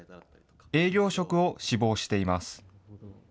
営業職を志望しています。